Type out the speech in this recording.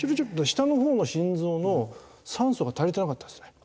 下のほうの心臓の酸素が足りてなかったですね。